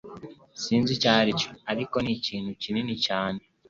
Sinzi icyo aricyo, ariko nikintu kinini cyane.